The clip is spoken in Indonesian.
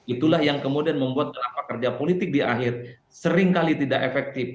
itulah yang kemudian membuat kenapa kerja politik di akhir seringkali tidak efektif